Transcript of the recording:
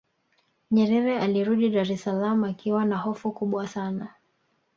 nyerere alirudi dar es salaam akiwa na hofu kubwa sana